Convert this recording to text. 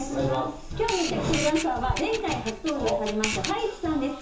今日密着するダンサーは前回初登場されましたＴａｉｃｈｉさんです。